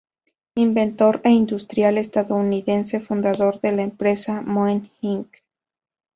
Inventor e industrial estadounidense, fundador de la empresa Moen, Inc.